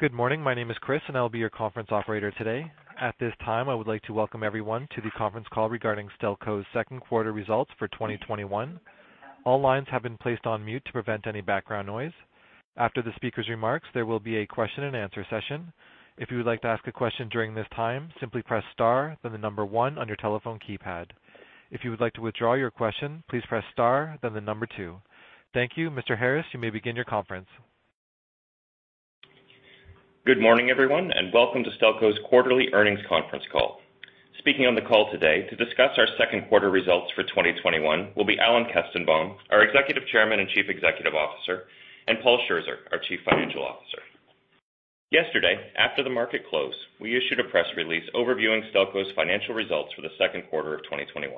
Good morning. My name is Chris, and I'll be your conference operator today. At this time, I would like to welcome everyone to the conference call regarding Stelco's second quarter results for 2021. All lines have been placed on mute to prevent any background noise. After the speaker's remarks, there will be a question and answer session. If you would like to ask a question during this time, simply press star, then the number one on your telephone keypad. If you would like to withdraw your question, please press star, then the number two. Thank you. Mr. Harris, you may begin your conference. Good morning, everyone, welcome to Stelco's quarterly earnings conference call. Speaking on the call today to discuss our second quarter results for 2021 will be Alan Kestenbaum, our Executive Chairman and Chief Executive Officer, and Paul Scherzer, our Chief Financial Officer. Yesterday, after the market close, we issued a press release overviewing Stelco's financial results for the second quarter of 2021.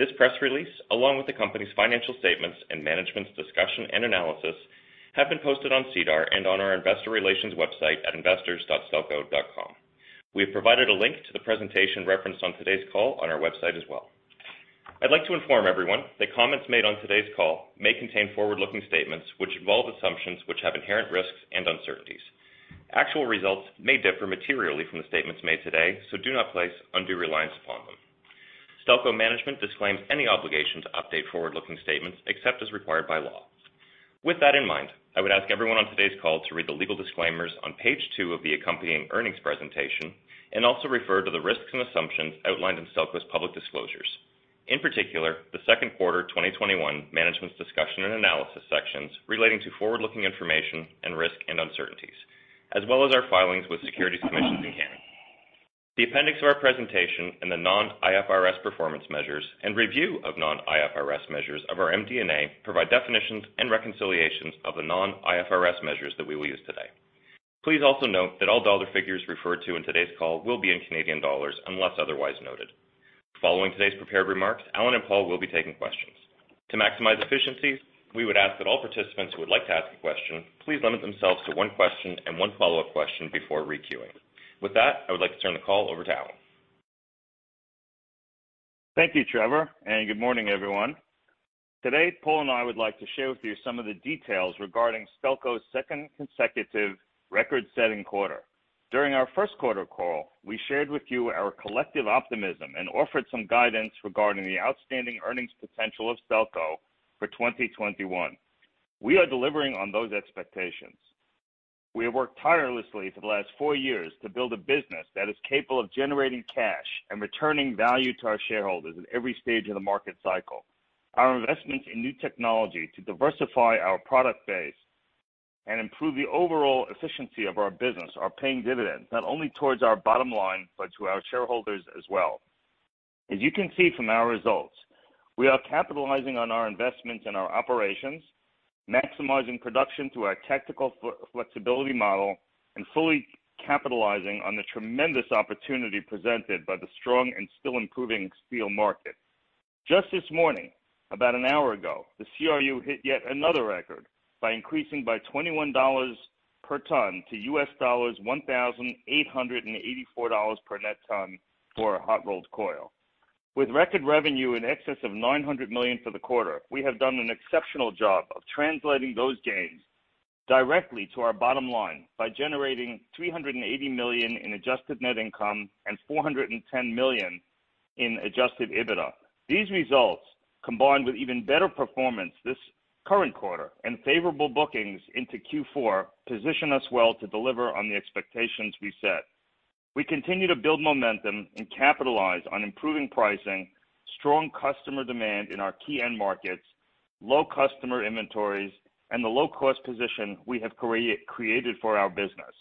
This press release, along with the company's financial statements and Management's Discussion and Analysis, have been posted on SEDAR and on our investor relations website at investors.stelco.com. We have provided a link to the presentation referenced on today's call on our website as well. I'd like to inform everyone that comments made on today's call may contain forward-looking statements which involve assumptions which have inherent risks and uncertainties. Actual results may differ materially from the statements made today, do not place undue reliance upon them. Stelco management disclaims any obligation to update forward-looking statements except as required by law. With that in mind, I would ask everyone on today's call to read the legal disclaimers on page 2 of the accompanying earnings presentation and also refer to the risks and assumptions outlined in Stelco's public disclosures. In particular, the second quarter 2021 Management's Discussion and Analysis sections relating to forward-looking information and risks and uncertainties, as well as our filings with securities commissions in Canada. The appendix of our presentation and the non-IFRS performance measures and review of non-IFRS measures of our MD&A provide definitions and reconciliations of the non-IFRS measures that we will use today. Please also note that all dollar figures referred to in today's call will be in Canadian dollars unless otherwise noted. Following today's prepared remarks, Alan and Paul will be taking questions. To maximize efficiency, we would ask that all participants who would like to ask a question please limit themselves to one question and one follow-up question before re-queuing. With that, I would like to turn the call over to Alan. Thank you, Trevor. Good morning, everyone. Today, Paul and I would like to share with you some of the details regarding Stelco's second consecutive record-setting quarter. During our first quarter call, we shared with you our collective optimism and offered some guidance regarding the outstanding earnings potential of Stelco for 2021. We are delivering on those expectations. We have worked tirelessly for the last four years to build a business that is capable of generating cash and returning value to our shareholders at every stage of the market cycle. Our investments in new technology to diversify our product base and improve the overall efficiency of our business are paying dividends not only towards our bottom line, but to our shareholders as well. As you can see from our results, we are capitalizing on our investments in our operations, maximizing production through our tactical flexibility model, and fully capitalizing on the tremendous opportunity presented by the strong and still improving steel market. Just this morning, about an hour ago, the CRU hit yet another record by increasing by $21 per ton to US$1,884 per net ton for hot rolled coil. With record revenue in excess of 900 million for the quarter, we have done an exceptional job of translating those gains directly to our bottom line by generating 380 million in adjusted net income and 410 million in adjusted EBITDA. These results, combined with even better performance this current quarter and favorable bookings into Q4, position us well to deliver on the expectations we set. We continue to build momentum and capitalize on improving pricing, strong customer demand in our key end markets, low customer inventories, and the low-cost position we have created for our business.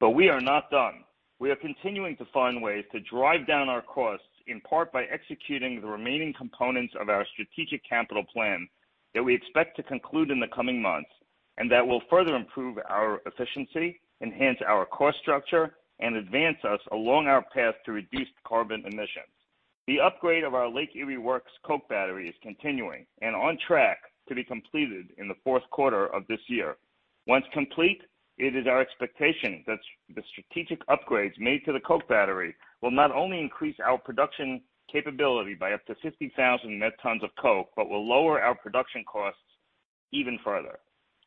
We are not done. We are continuing to find ways to drive down our costs, in part by executing the remaining components of our strategic capital plan that we expect to conclude in the coming months and that will further improve our efficiency, enhance our cost structure, and advance us along our path to reduced carbon emissions. The upgrade of our Lake Erie Works coke battery is continuing and on track to be completed in the fourth quarter of this year. Once complete, it is our expectation that the strategic upgrades made to the coke battery will not only increase our production capability by up to 50,000 met tons of coke but will lower our production costs even further.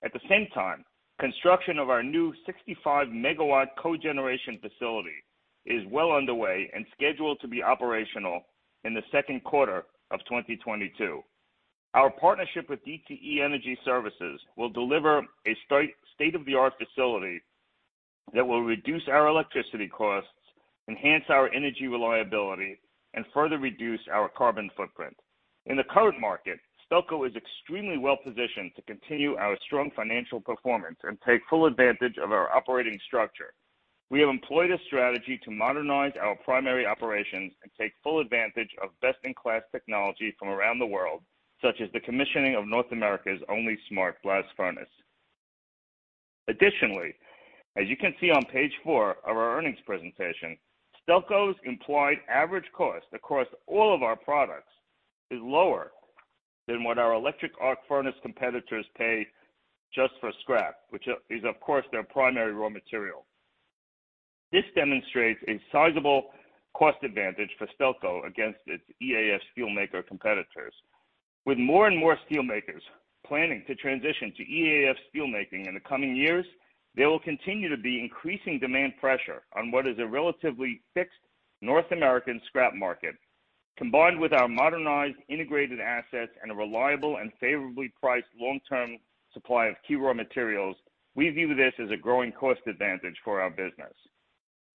At the same time, construction of our new 65 MW cogeneration facility is well underway and scheduled to be operational in the second quarter of 2022. Our partnership with DTE Energy Services will deliver a state-of-the-art facility that will reduce our electricity costs, enhance our energy reliability, and further reduce our carbon footprint. In the current market, Stelco is extremely well-positioned to continue our strong financial performance and take full advantage of our operating structure. We have employed a strategy to modernize our primary operations and take full advantage of best-in-class technology from around the world, such as the commissioning of North America's only smart blast furnace. Additionally, as you can see on page 4 of our earnings presentation, Stelco's implied average cost across all of our products is lower than what our electric arc furnace competitors pay just for scrap, which is, of course, their primary raw material. This demonstrates a sizable cost advantage for Stelco against its EAF steelmaker competitors. With more and more steelmakers planning to transition to EAF steelmaking in the coming years, there will continue to be increasing demand pressure on what is a relatively fixed North American scrap market. Combined with our modernized integrated assets and a reliable and favorably priced long-term supply of key raw materials, we view this as a growing cost advantage for our business.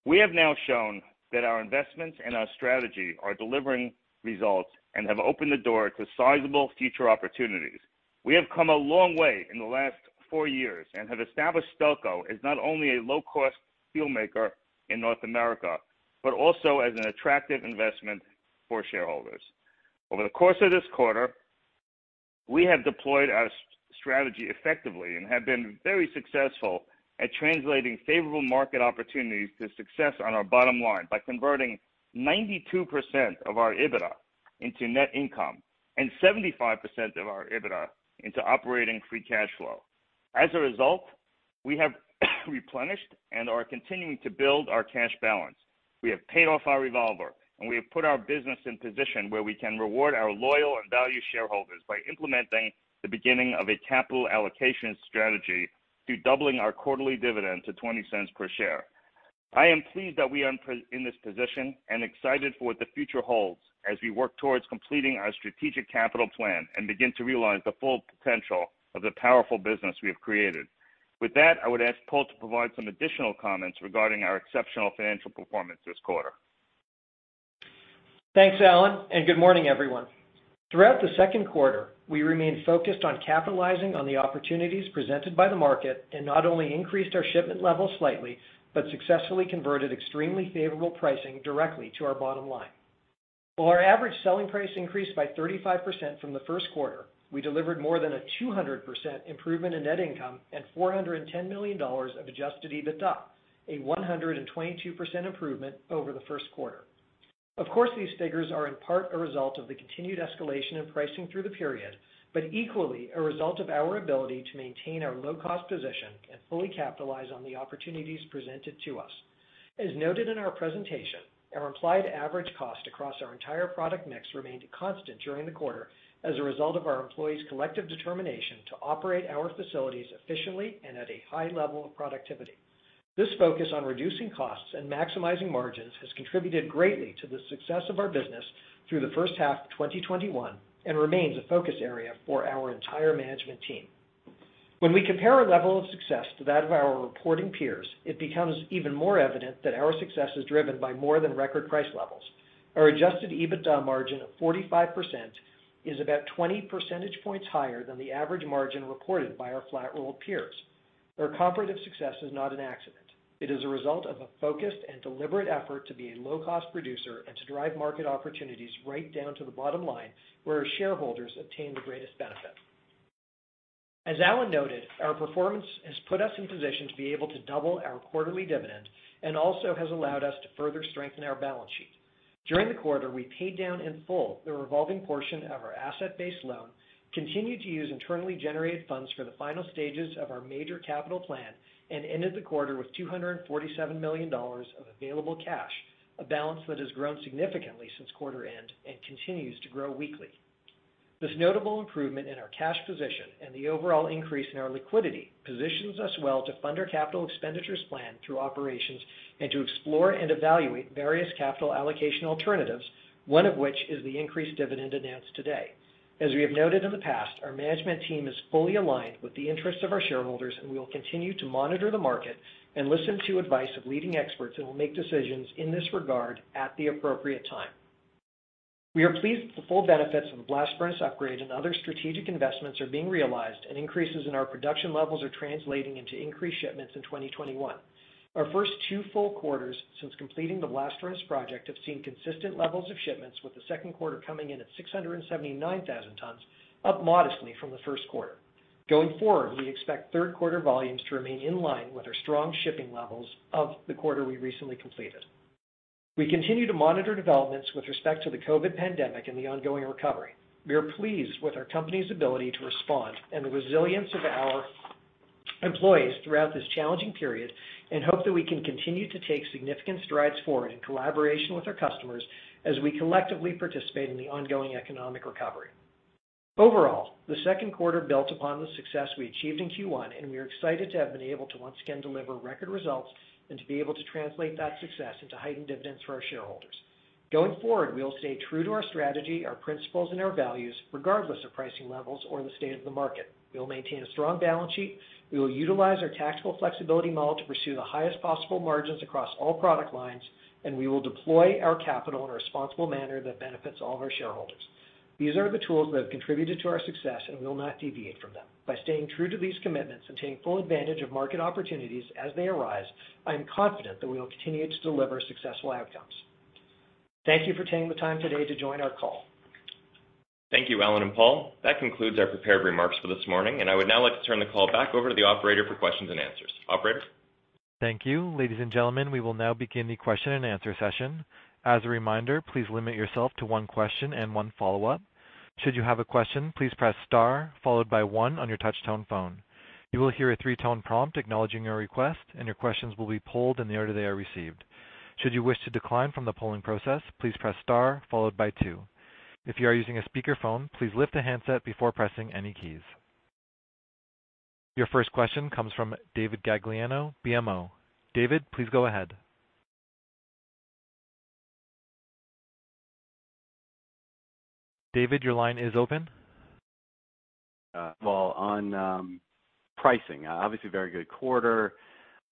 We have now shown that our investments and our strategy are delivering results and have opened the door to sizable future opportunities. We have come a long way in the last four years and have established Stelco as not only a low-cost steelmaker in North America, but also as an attractive investment for shareholders. Over the course of this quarter, we have deployed our strategy effectively and have been very successful at translating favorable market opportunities to success on our bottom line by converting 92% of our EBITDA into net income and 75% of our EBITDA into operating free cash flow. As a result, we have replenished and are continuing to build our cash balance. We have paid off our revolver, and we have put our business in position where we can reward our loyal and valued shareholders by implementing the beginning of a capital allocation strategy through doubling our quarterly dividend to 0.20 per share. I am pleased that we are in this position and excited for what the future holds as we work towards completing our strategic capital plan and begin to realize the full potential of the powerful business we have created. With that, I would ask Paul to provide some additional comments regarding our exceptional financial performance this quarter. Thanks, Alan, and good morning, everyone. Throughout the second quarter, we remained focused on capitalizing on the opportunities presented by the market and not only increased our shipment levels slightly, but successfully converted extremely favorable pricing directly to our bottom line. While our average selling price increased by 35% from the first quarter, we delivered more than a 200% improvement in net income and 410 million dollars of adjusted EBITDA, a 122% improvement over the first quarter. Of course, these figures are in part a result of the continued escalation in pricing through the period, but equally a result of our ability to maintain our low-cost position and fully capitalize on the opportunities presented to us. As noted in our presentation, our implied average cost across our entire product mix remained constant during the quarter as a result of our employees' collective determination to operate our facilities efficiently and at a high level of productivity. This focus on reducing costs and maximizing margins has contributed greatly to the success of our business through the first half of 2021 and remains a focus area for our entire management team. When we compare our level of success to that of our reporting peers, it becomes even more evident that our success is driven by more than record price levels. Our adjusted EBITDA margin of 45% is about 20 percentage points higher than the average margin reported by our flat-rolled peers. Our comparative success is not an accident. It is a result of a focused and deliberate effort to be a low-cost producer and to drive market opportunities right down to the bottom line, where our shareholders obtain the greatest benefit. As Alan noted, our performance has put us in position to be able to double our quarterly dividend and also has allowed us to further strengthen our balance sheet. During the quarter, we paid down in full the revolving portion of our asset-based loan, continued to use internally generated funds for the final stages of our major capital plan, and ended the quarter with 247 million dollars of available cash, a balance that has grown significantly since quarter end and continues to grow weekly. This notable improvement in our cash position and the overall increase in our liquidity positions us well to fund our capital expenditures plan through operations and to explore and evaluate various capital allocation alternatives, one of which is the increased dividend announced today. As we have noted in the past, our management team is fully aligned with the interests of our shareholders, and we will continue to monitor the market and listen to advice of leading experts, and we will make decisions in this regard at the appropriate time. We are pleased that the full benefits of the blast furnace upgrade and other strategic investments are being realized, and increases in our production levels are translating into increased shipments in 2021. Our first two full quarters since completing the blast furnace project have seen consistent levels of shipments, with the second quarter coming in at 679,000 tons, up modestly from the first quarter. Going forward, we expect third-quarter volumes to remain in line with our strong shipping levels of the quarter we recently completed. We continue to monitor developments with respect to the COVID pandemic and the ongoing recovery. We are pleased with our company's ability to respond and the resilience of our employees throughout this challenging period and hope that we can continue to take significant strides forward in collaboration with our customers as we collectively participate in the ongoing economic recovery. Overall, the second quarter built upon the success we achieved in Q1, and we are excited to have been able to once again deliver record results and to be able to translate that success into heightened dividends for our shareholders. Going forward, we will stay true to our strategy, our principles, and our values, regardless of pricing levels or the state of the market. We will maintain a strong balance sheet, we will utilize our tactical flexibility model to pursue the highest possible margins across all product lines, and we will deploy our capital in a responsible manner that benefits all of our shareholders. These are the tools that have contributed to our success, and we will not deviate from them. By staying true to these commitments and taking full advantage of market opportunities as they arise, I am confident that we will continue to deliver successful outcomes. Thank you for taking the time today to join our call. Thank you, Alan and Paul. That concludes our prepared remarks for this morning, and I would now like to turn the call back over to the operator for questions and answers. Operator? Thank you. Ladies and gentlemen, we will now begin the question and answer session. As a reminder, please limit yourself to one question and one follow-up. Should you have a question, please press star followed by one on your touch-tone phone. You will hear a three-tone prompt acknowledging your request, and your questions will be polled in the order they are received. Should you wish to decline from the polling process, please press star followed by two. If you are using a speakerphone, please lift the handset before pressing any keys. Your first question comes from David Gagliano, BMO. David, please go ahead. David, your line is open. On pricing, obviously very good quarter.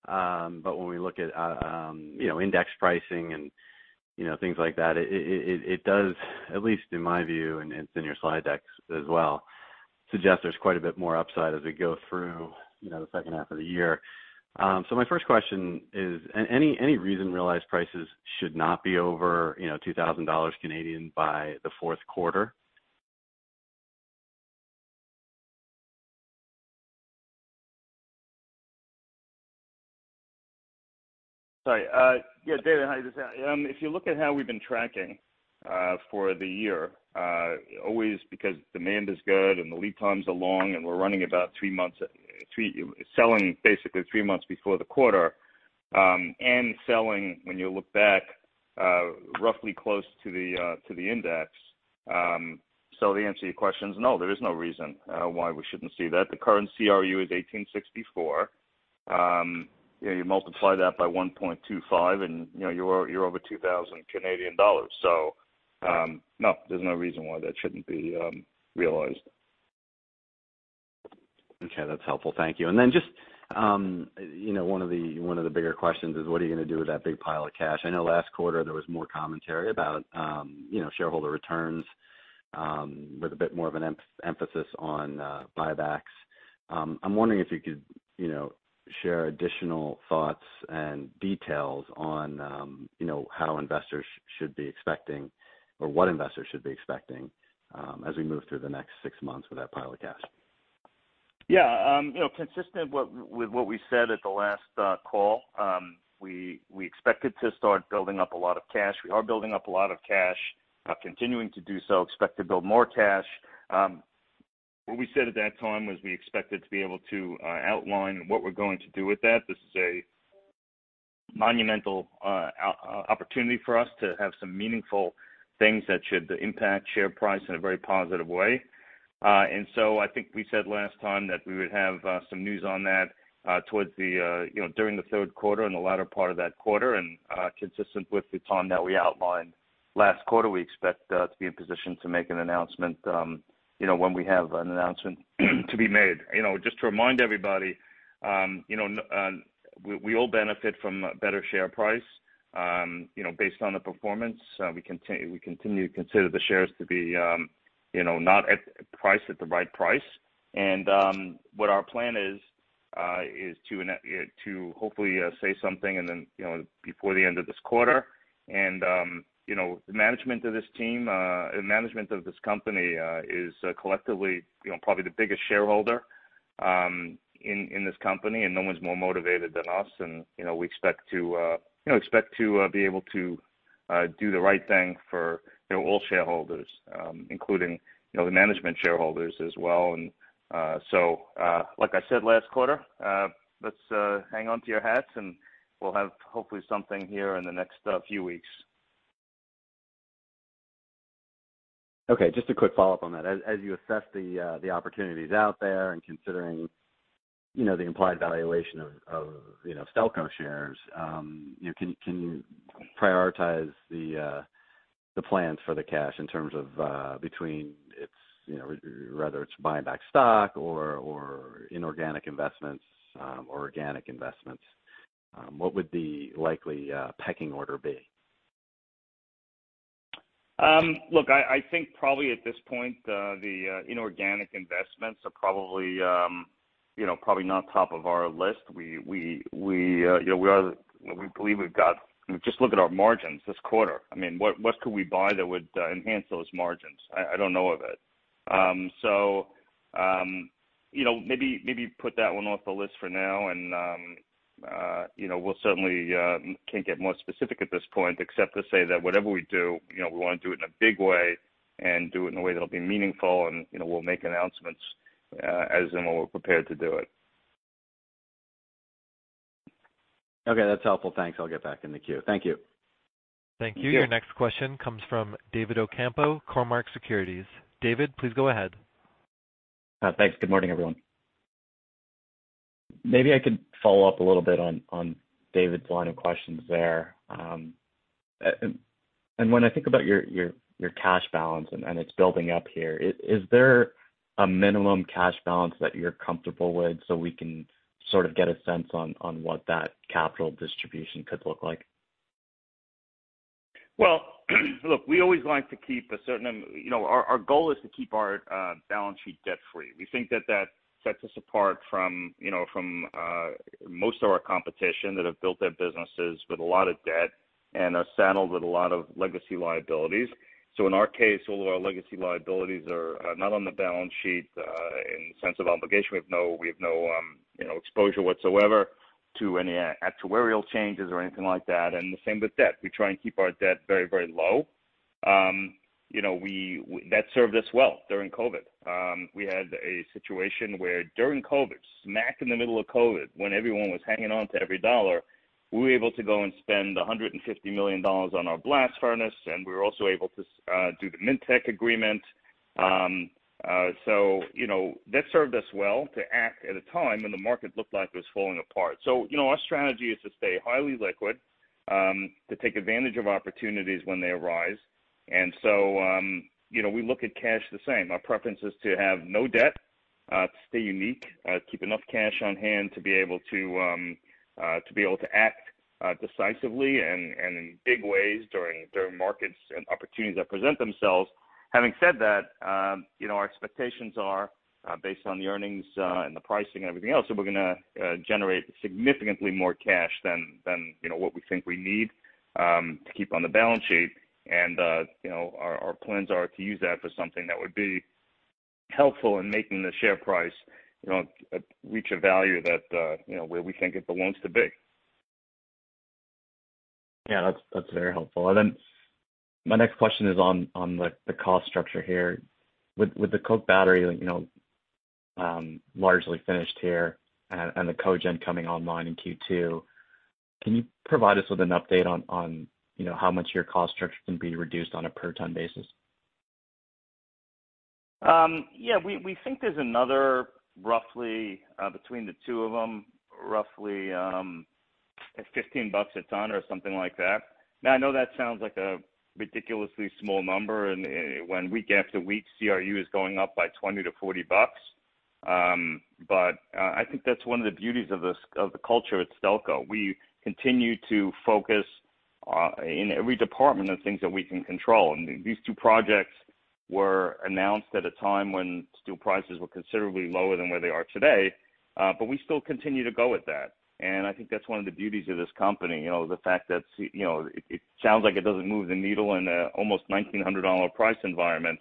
When we look at index pricing and things like that, it does, at least in my view, and it's in your slide decks as well, suggest there's quite a bit more upside as we go through the second half of the year. My first question is, any reason realized prices should not be over 2,000 Canadian dollars by the fourth quarter? Sorry. Yeah, David, how are you this afternoon? If you look at how we've been tracking for the year, always because demand is good and the lead times are long, and we're selling basically three months before the quarter, and selling, when you look back, roughly close to the index. The answer to your question is no, there is no reason why we shouldn't see that. The current CRU is $1,864. You multiply that by 1.25 and you're over 2,000 Canadian dollars. No, there's no reason why that shouldn't be realized. Okay. That's helpful. Thank you. Then just one of the bigger questions is what are you going to do with that big pile of cash? I know last quarter there was more commentary about shareholder returns, with a bit more of an emphasis on buybacks. I'm wondering if you could share additional thoughts and details on how investors should be expecting, or what investors should be expecting, as we move through the next six months with that pile of cash. Yeah. Consistent with what we said at the last call, we expected to start building up a lot of cash. We are building up a lot of cash, continuing to do so, expect to build more cash. What we said at that time was we expected to be able to outline what we're going to do with that. This is a monumental opportunity for us to have some meaningful things that should impact share price in a very positive way. I think we said last time that we would have some news on that during the third quarter and the latter part of that quarter, and consistent with the time that we outlined last quarter, we expect to be in position to make an announcement when we have an announcement to be made. Just to remind everybody, we all benefit from a better share price based on the performance. We continue to consider the shares to be priced at the right price. What our plan is to hopefully say something before the end of this quarter. The management of this company is collectively probably the biggest shareholder in this company, and no one's more motivated than us, and we expect to be able to do the right thing for all shareholders, including the management shareholders as well. Like I said last quarter, let's hang on to your hats and we'll have hopefully something here in the next few weeks. Okay. Just a quick follow-up on that. As you assess the opportunities out there and considering the implied valuation of Stelco shares, can you prioritize the plans for the cash in terms of between whether it's buying back stock or inorganic investments or organic investments? What would the likely pecking order be? Look, I think probably at this point, the inorganic investments are probably not top of our list. Just look at our margins this quarter. What could we buy that would enhance those margins? I don't know of it. Maybe put that one off the list for now, and we certainly can't get more specific at this point except to say that whatever we do, we want to do it in a big way and do it in a way that'll be meaningful, and we'll make announcements as and when we're prepared to do it. Okay, that's helpful. Thanks. I'll get back in the queue. Thank you. Thank you. Thank you. Your next question comes from David Ocampo, Cormark Securities. David, please go ahead. Thanks. Good morning, everyone. Maybe I could follow up a little bit on David's line of questions there. When I think about your cash balance, and it's building up here, is there a minimum cash balance that you're comfortable with so we can sort of get a sense on what that capital distribution could look like? Well, look, our goal is to keep our balance sheet debt-free. We think that that sets us apart from most of our competition that have built their businesses with a lot of debt and are saddled with a lot of legacy liabilities. In our case, although our legacy liabilities are not on the balance sheet in the sense of obligation, we have no exposure whatsoever to any actuarial changes or anything like that, and the same with debt. We try and keep our debt very, very low. That served us well during COVID. We had a situation where during COVID, smack in the middle of COVID, when everyone was hanging on to every dollar, we were able to go and spend 150 million dollars on our blast furnace, and we were also able to do the Minntac agreement. That served us well to act at a time when the market looked like it was falling apart. Our strategy is to stay highly liquid, to take advantage of opportunities when they arise. We look at cash the same. Our preference is to have no debt, to stay unique, keep enough cash on hand to be able to act decisively and in big ways during markets and opportunities that present themselves. Having said that, our expectations are based on the earnings and the pricing and everything else, so we're going to generate significantly more cash than what we think we need to keep on the balance sheet. Our plans are to use that for something that would be helpful in making the share price reach a value where we think it belongs to be. Yeah, that's very helpful. My next question is on the cost structure here. With the coke battery largely finished here and the cogen coming online in Q2, can you provide us with an update on how much your cost structure can be reduced on a per ton basis? Yeah. We think there's another, between the two of them, roughly $15 a ton or something like that. I know that sounds like a ridiculously small number, when week after week, CRU is going up by $20-$40. I think that's one of the beauties of the culture at Stelco. We continue to focus in every department on things that we can control. These two projects were announced at a time when steel prices were considerably lower than where they are today. We still continue to go with that. I think that's one of the beauties of this company. It sounds like it doesn't move the needle in an almost $1,900 price environment.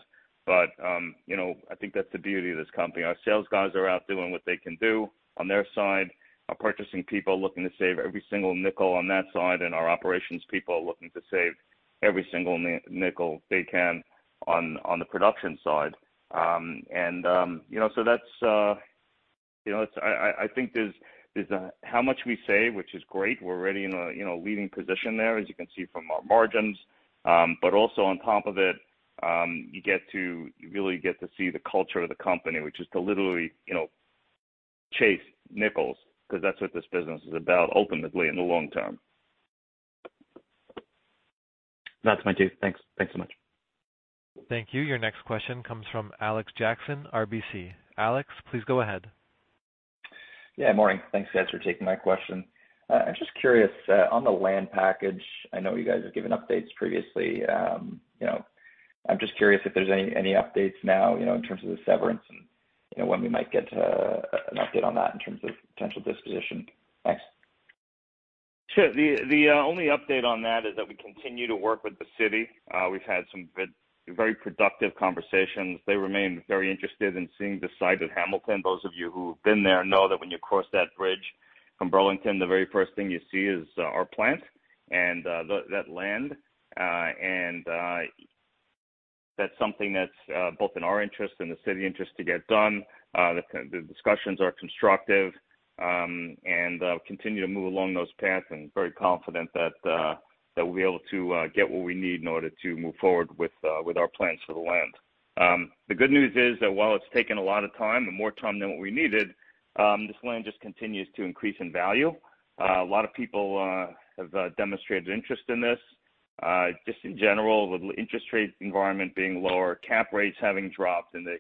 I think that's the beauty of this company. Our sales guys are out doing what they can do on their side. Our purchasing people are looking to save every single nickel on that side, and our operations people are looking to save every single nickel they can on the production side. I think there's how much we save, which is great. We're already in a leading position there, as you can see from our margins. Also on top of it, you really get to see the culture of the company, which is to literally chase nickels, because that's what this business is about, ultimately, in the long-term. That's my take. Thanks so much. Thank you. Your next question comes from Alexander Jackson, RBC. Alex, please go ahead. Yeah, morning. Thanks, guys, for taking my question. I'm just curious, on the land package, I know you guys have given updates previously. I'm just curious if there's any updates now in terms of the severance and when we might get an update on that in terms of potential disposition. Thanks. Sure. The only update on that is that we continue to work with the city. We've had some very productive conversations. They remain very interested in seeing the site at Hamilton. Those of you who've been there know that when you cross that bridge from Burlington, the very first thing you see is our plant and that land. That's something that's both in our interest and the city interest to get done. The discussions are constructive, and continue to move along those paths, and very confident that we'll be able to get what we need in order to move forward with our plans for the land. The good news is that while it's taken a lot of time, and more time than what we needed, this land just continues to increase in value. A lot of people have demonstrated interest in this. Just in general, with interest rates environment being lower, cap rates having dropped, and the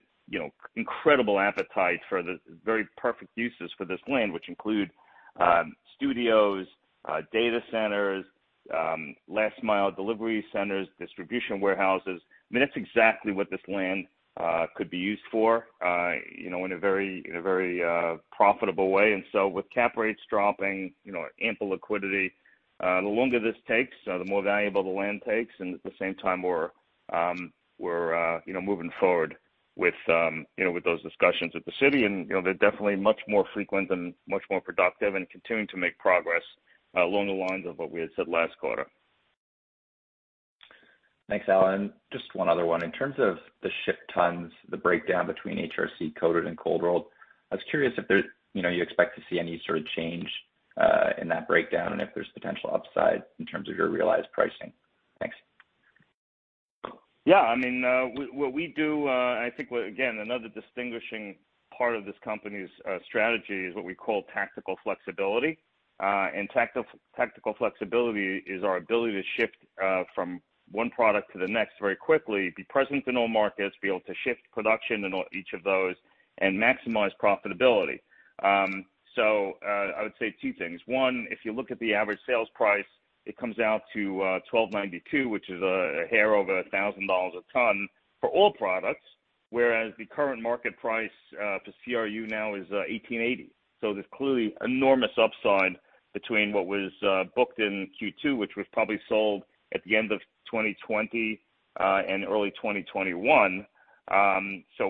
incredible appetite for the very perfect uses for this land, which include studios, data centers, last mile delivery centers, distribution warehouses. I mean, that's exactly what this land could be used for in a very profitable way. With cap rates dropping, ample liquidity, the longer this takes, the more valuable the land takes, and at the same time, we're moving forward with those discussions with the city, and they're definitely much more frequent and much more productive and continuing to make progress along the lines of what we had said last quarter. Thanks, Alan. Just one other one. In terms of the shipped tons, the breakdown between HRC-coated and cold-rolled, I was curious if you expect to see any sort of change in that breakdown, and if there's potential upside in terms of your realized pricing. Thanks. Yeah. I think, again, another distinguishing part of this company's strategy is what we call tactical flexibility. Tactical flexibility is our ability to shift from one product to the next very quickly, be present in all markets, be able to shift production in each of those, and maximize profitability. I would say two things. One, if you look at the average selling price, it comes out to 1,292, which is a hair over 1,000 dollars a ton for all products, whereas the current market price for CRU now is $1,880. There's clearly enormous upside between what was booked in Q2, which was probably sold at the end of 2020 and early 2021.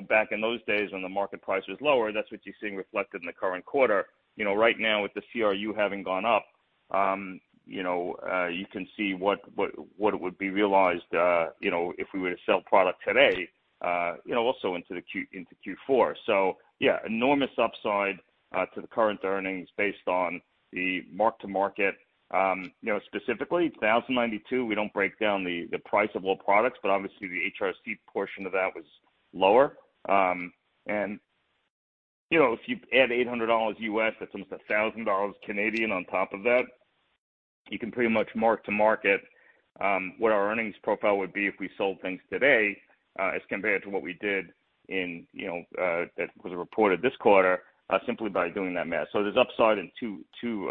Back in those days when the market price was lower, that's what you're seeing reflected in the current quarter. Right now, with the CRU having gone up. You can see what would be realized if we were to sell product today also into Q4. Yeah, enormous upside to the current earnings based on the mark to market. Specifically, 1,092, we don't break down the price of all products, obviously the HRC portion of that was lower. If you add $800, that's almost 1,000 Canadian dollars on top of that, you can pretty much mark to market what our earnings profile would be if we sold things today as compared to what we did that was reported this quarter, simply by doing that math. There's upside in two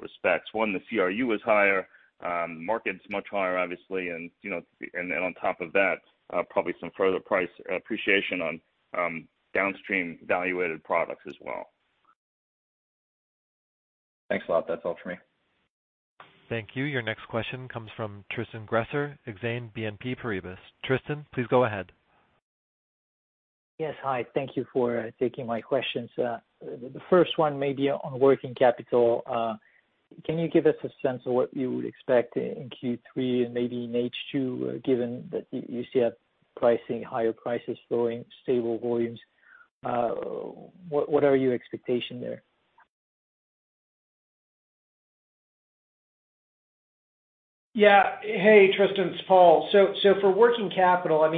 respects. One, the CRU is higher, market's much higher obviously, on top of that, probably some further price appreciation on downstream value-added products as well. Thanks a lot. That's all for me. Thank you. Your next question comes from Tristan Gresser, Exane BNP Paribas. Tristan, please go ahead. Yes, hi. Thank you for taking my questions. The first one, maybe on working capital. Can you give us a sense of what you would expect in Q3 and maybe in H2, given that you see higher prices growing, stable volumes? What are your expectation there? Yeah. Hey, Tristan, it's Paul. For working capital, as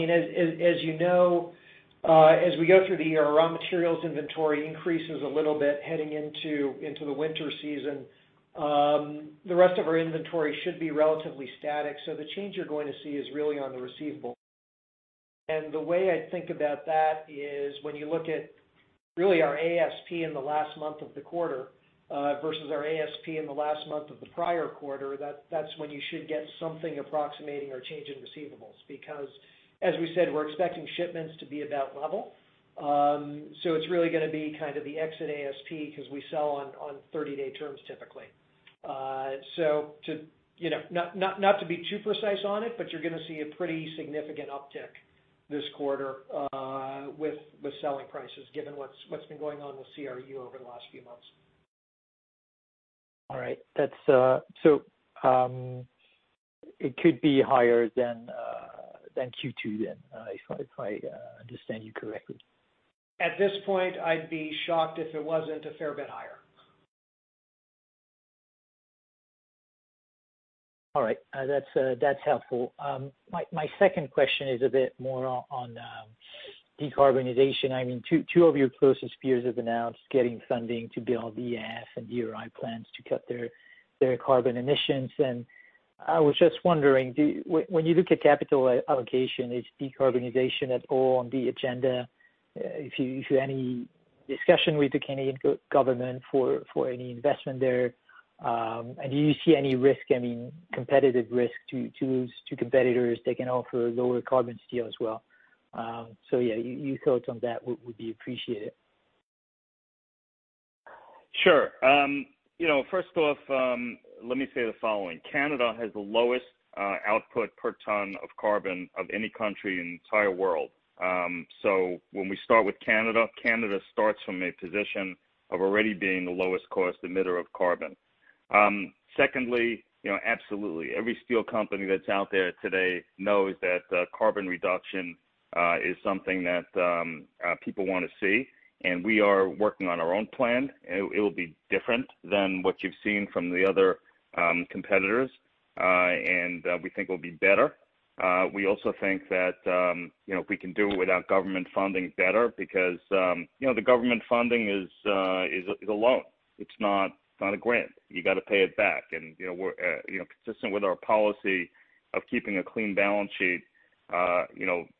you know, as we go through the year, our raw materials inventory increases a little bit heading into the winter season. The rest of our inventory should be relatively static. The change you're going to see is really on the receivables. The way I think about that is when you look at really our ASP in the last month of the quarter versus our ASP in the last month of the prior quarter, that's when you should get something approximating our change in receivables, because as we said, we're expecting shipments to be about level. It's really going to be kind of the exit ASP because we sell on 30-day terms typically. Not to be too precise on it, but you're going to see a pretty significant uptick this quarter with selling prices, given what's been going on with CRU over the last few months. All right. It could be higher than Q2 then, if I understand you correctly? At this point, I'd be shocked if it wasn't a fair bit higher. All right. That's helpful. My second question is a bit more on decarbonization. Two of your closest peers have announced getting funding to build EAF and DRI plants to cut their carbon emissions. I was just wondering, when you look at capital allocation, is decarbonization at all on the agenda? If you have any discussion with the Canadian government for any investment there, and do you see any competitive risk to competitors? They can offer lower carbon steel as well. Yeah, your thoughts on that would be appreciated. Sure. First off, let me say the following. Canada has the lowest output per ton of carbon of any country in the entire world. When we start with Canada starts from a position of already being the lowest cost emitter of carbon. Secondly, absolutely, every steel company that's out there today knows that carbon reduction is something that people want to see, and we are working on our own plan. It will be different than what you've seen from the other competitors, and we think it will be better. We also think that if we can do it without government funding, better, because the government funding is a loan. It's not a grant. You got to pay it back. Consistent with our policy of keeping a clean balance sheet,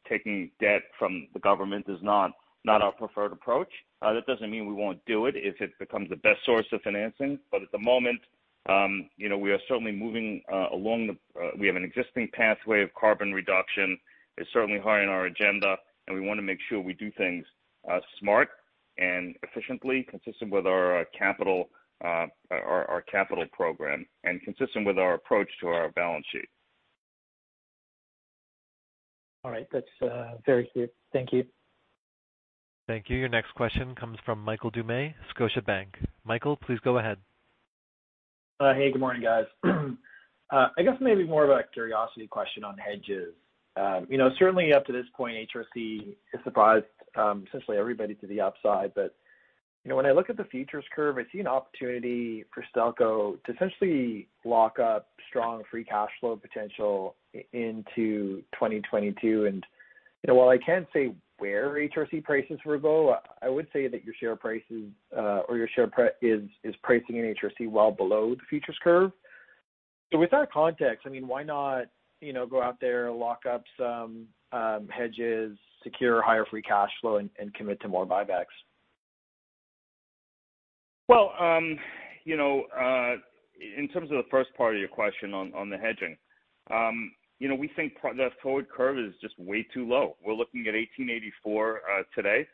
taking debt from the government is not our preferred approach. That doesn't mean we won't do it if it becomes the best source of financing. At the moment, we have an existing pathway of carbon reduction. It's certainly high on our agenda, and we want to make sure we do things smart and efficiently, consistent with our capital program and consistent with our approach to our balance sheet. All right. That's very clear. Thank you. Thank you. Your next question comes from Michael Doumet, Scotiabank. Michael, please go ahead. Hey, good morning, guys. I guess maybe more of a curiosity question on hedges. Certainly up to this point, HRC has surprised essentially everybody to the upside. When I look at the futures curve, I see an opportunity for Stelco to essentially lock up strong free cash flow potential into 2022. While I can't say where HRC prices will go, I would say that your share is pricing in HRC well below the futures curve. With that context, why not go out there, lock up some hedges, secure higher free cash flow, and commit to more buybacks? Well, in terms of the first part of your question on the hedging, we think that forward curve is just way too low. We're looking at $18.84 today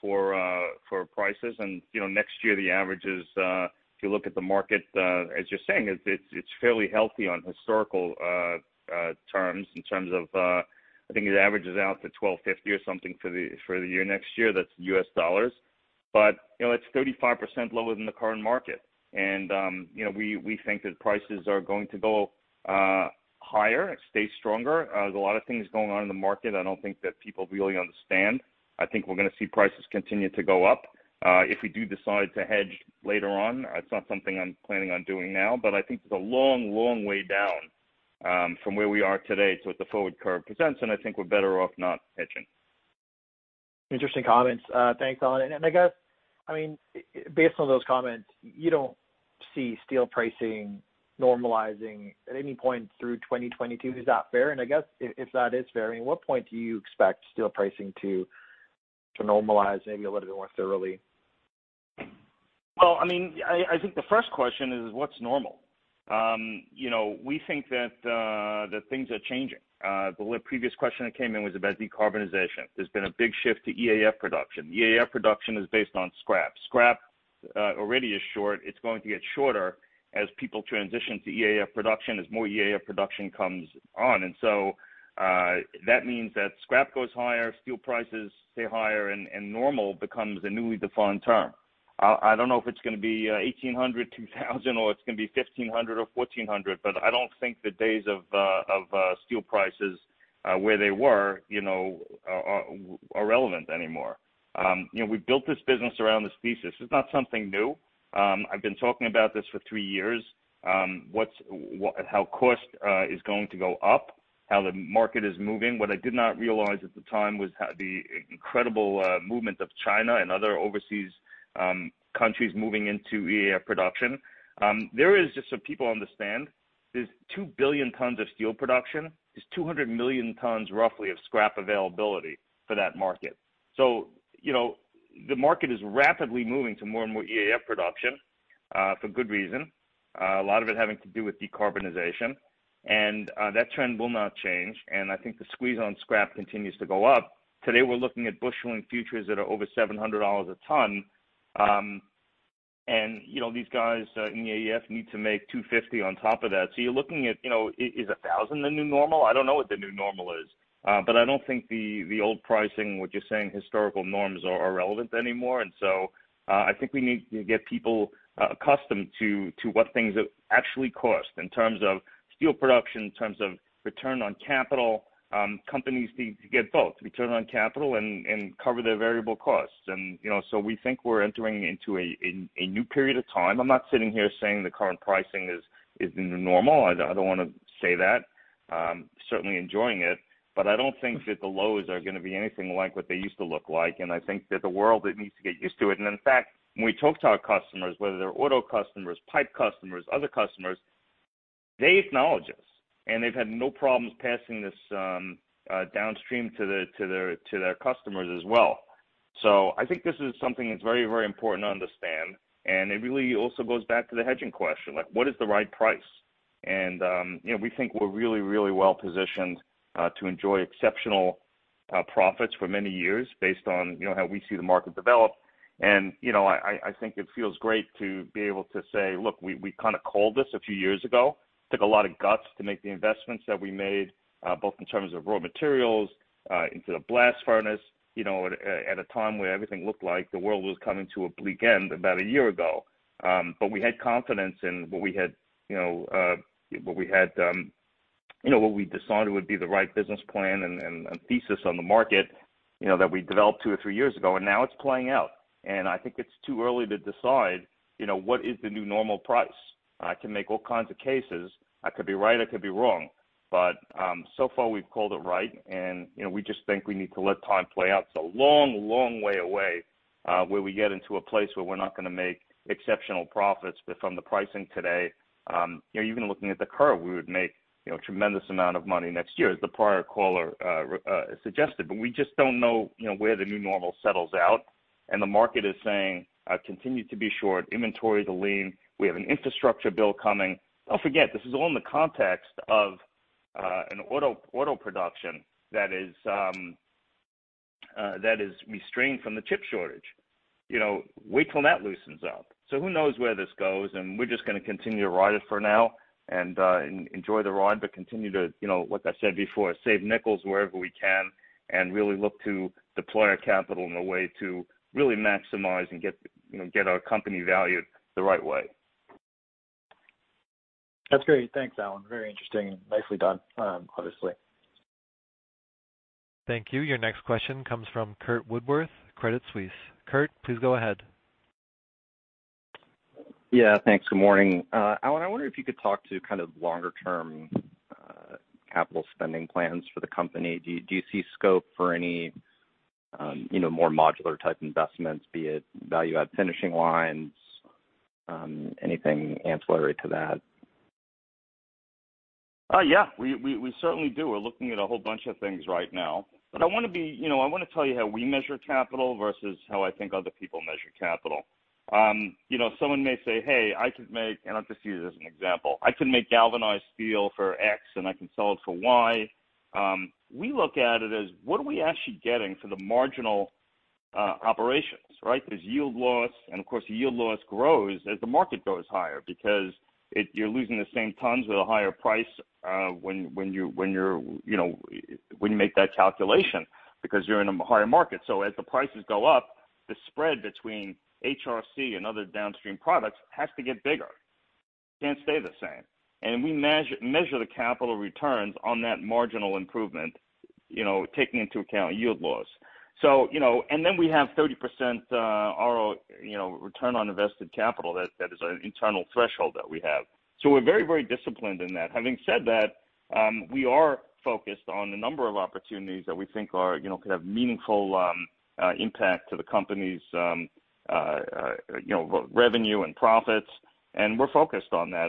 for prices. Next year the average is, if you look at the market, as you're saying, it's fairly healthy on historical terms in terms of, I think it averages out to $12.50 or something for the year next year. That's US dollars. It's 35% lower than the current market. We think that prices are going to go up higher. It stays stronger. There's a lot of things going on in the market I don't think that people really understand. I think we're going to see prices continue to go up. If we do decide to hedge later on, it's not something I'm planning on doing now, but I think there's a long, long way down from where we are today to what the forward curve presents, and I think we're better off not hedging. Interesting comments. Thanks, Alan. Based on those comments, you don't see steel pricing normalizing at any point through 2022. Is that fair? I guess if that is fair, at what point do you expect steel pricing to normalize maybe a little bit more thoroughly? Well, I think the first question is what's normal? We think that things are changing. The previous question that came in was about decarbonization. There's been a big shift to EAF production. EAF production is based on scrap. Scrap already is short. It's going to get shorter as people transition to EAF production, as more EAF production comes on. That means that scrap goes higher, steel prices stay higher, and normal becomes a newly defined term. I don't know if it's going to be $1,800, $2,000, or it's going to be $1,500 or $1,400, but I don't think the days of steel prices where they were are relevant anymore. We built this business around this thesis. This is not something new. I've been talking about this for three years, how cost is going to go up, how the market is moving. What I did not realize at the time was the incredible movement of China and other overseas countries moving into EAF production. Just so people understand, there's 2 billion tons of steel production. There's 200 million tons, roughly, of scrap availability for that market. The market is rapidly moving to more and more EAF production, for good reason, a lot of it having to do with decarbonization, and that trend will not change. I think the squeeze on scrap continues to go up. Today, we're looking at busheling futures that are over 700 dollars a ton. These guys in EAF need to make 250 on top of that. You're looking at, is 1,000 the new normal? I don't know what the new normal is, but I don't think the old pricing, what you're saying, historical norms are relevant anymore. I think we need to get people accustomed to what things actually cost in terms of steel production, in terms of return on capital. Companies need to get both, return on capital and cover their variable costs. We think we're entering into a new period of time. I'm not sitting here saying the current pricing is the new normal. I don't want to say that. Certainly enjoying it, but I don't think that the lows are going to be anything like what they used to look like, and I think that the world needs to get used to it. In fact, when we talk to our customers, whether they're auto customers, pipe customers, other customers, they acknowledge this, and they've had no problems passing this downstream to their customers as well. I think this is something that's very important to understand, and it really also goes back to the hedging question. What is the right price? We think we're really well-positioned to enjoy exceptional profits for many years based on how we see the market develop. I think it feels great to be able to say, look, we kind of called this a few years ago. Took a lot of guts to make the investments that we made, both in terms of raw materials into the blast furnace, at a time where everything looked like the world was coming to a bleak end about a year ago. We had confidence in what we decided would be the right business plan and thesis on the market that we developed two or three years ago, and now it's playing out. I think it's too early to decide what is the new normal price. I can make all kinds of cases. I could be right, I could be wrong. So far, we've called it right, and we just think we need to let time play out. It's a long way away where we get into a place where we're not going to make exceptional profits from the pricing today. Even looking at the curve, we would make tremendous amount of money next year, as the prior caller suggested. We just don't know where the new normal settles out, and the market is saying continue to be short. Inventory is a lien. We have an infrastructure bill coming. Don't forget, this is all in the context of an auto production that is restrained from the chip shortage. Wait till that loosens up. Who knows where this goes, and we're just going to continue to ride it for now and enjoy the ride, but continue to, what I said before, save nickels wherever we can and really look to deploy our capital in a way to really maximize and get our company valued the right way. That's great. Thanks, Alan. Very interesting. Nicely done, obviously. Thank you. Your next question comes from Curt Woodworth, Credit Suisse. Curt, please go ahead. Yeah. Thanks. Good morning. Alan, I wonder if you could talk to kind of longer-term capital spending plans for the company. Do you see scope for any more modular type investments, be it value-add finishing lines, anything ancillary to that? Yeah. We certainly do. We're looking at a whole bunch of things right now. I want to tell you how we measure capital versus how I think other people measure capital. Someone may say, "Hey, I could make," and I'll just use it as an example, "I can make galvanized steel for X, and I can sell it for Y." We look at it as what are we actually getting for the marginal operations, right? There's yield loss, and of course, yield loss grows as the market goes higher because you're losing the same tons at a higher price when you make that calculation because you're in a higher market. As the prices go up. The spread between HRC and other downstream products has to get bigger. It can't stay the same. We measure the capital returns on that marginal improvement, taking into account yield loss. We have 30% return on invested capital. That is an internal threshold that we have. We're very disciplined in that. Having said that, we are focused on the number of opportunities that we think could have meaningful impact to the company's revenue and profits, and we're focused on that.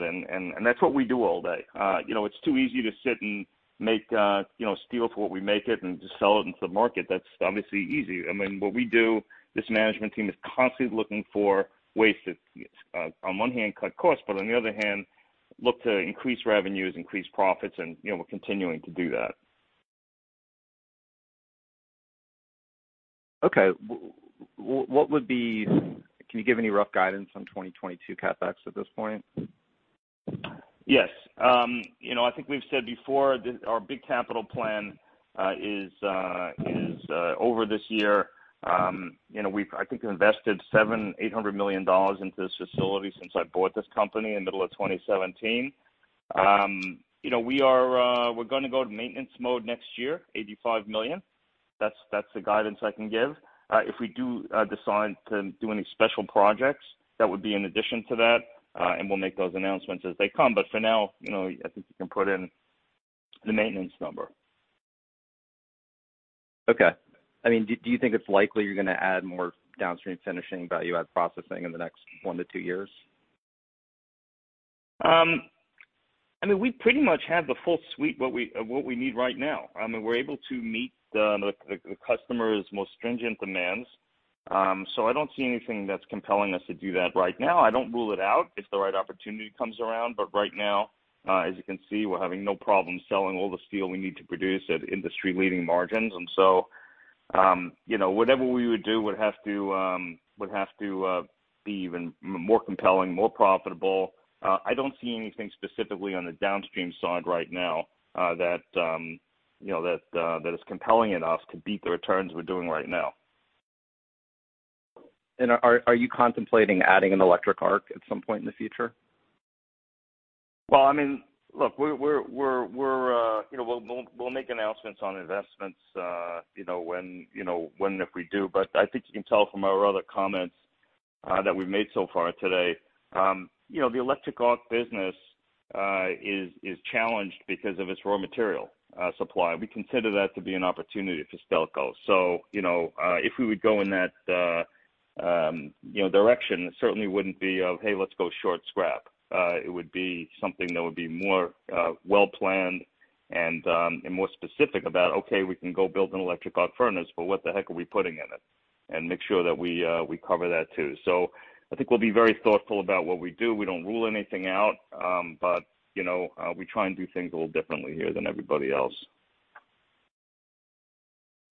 That's what we do all day. It's too easy to sit and make steel for what we make it and just sell it into the market. That's obviously easy. What we do, this management team is constantly looking for ways to, on one hand, cut costs, but on the other hand, look to increase revenues, increase profits, and we're continuing to do that. Okay. Can you give any rough guidance on 2022 CapEx at this point? Yes. I think we've said before that our big capital plan is over this year. We've, I think, invested 700 million, 800 million dollars into this facility since I bought this company in the middle of 2017. We're going to go to maintenance mode next year, 85 million. That's the guidance I can give. If we do decide to do any special projects, that would be in addition to that, and we'll make those announcements as they come. For now, I think you can put in the maintenance number. Do you think it's likely you're going to add more downstream finishing value-add processing in the next one to two years? We pretty much have the full suite of what we need right now. We're able to meet the customer's most stringent demands. I don't see anything that's compelling us to do that right now. I don't rule it out if the right opportunity comes around. Right now, as you can see, we're having no problem selling all the steel we need to produce at industry-leading margins. Whatever we would do would have to be even more compelling, more profitable. I don't see anything specifically on the downstream side right now that is compelling enough to beat the returns we're doing right now. Are you contemplating adding an electric arc at some point in the future? Well, look, we'll make announcements on investments when and if we do. I think you can tell from our other comments that we've made so far today, the electric arc business is challenged because of its raw material supply. We consider that to be an opportunity for Stelco. If we would go in that direction, it certainly wouldn't be a, "Hey, let's go short scrap." It would be something that would be more well-planned and more specific about, okay, we can go build an electric arc furnace, but what the heck are we putting in it? Make sure that we cover that, too. I think we'll be very thoughtful about what we do. We don't rule anything out. We try and do things a little differently here than everybody else.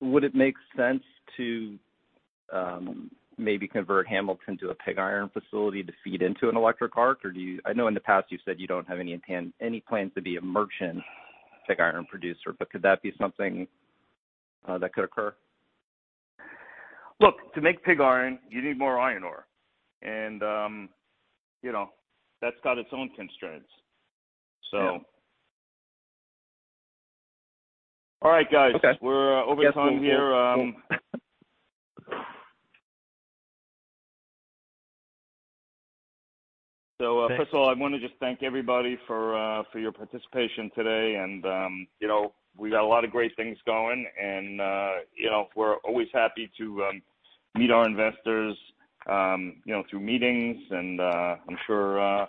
Would it make sense to maybe convert Hamilton to a pig iron facility to feed into an electric arc? I know in the past you've said you don't have any plans to be a merchant pig iron producer, but could that be something that could occur? Look, to make pig iron, you need more iron ore, and that's got its own constraints. All right, guys. Okay. We're over time here. Cool. First of all, I want to just thank everybody for your participation today. We got a lot of great things going, and we're always happy to meet our investors through meetings, and I'm sure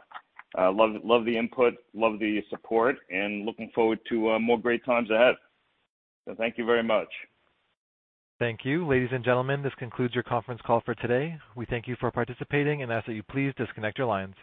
love the input, love the support, and looking forward to more great times ahead. Thank you very much. Thank you. Ladies and gentlemen, this concludes your conference call for today. We thank you for participating and ask that you please disconnect your lines.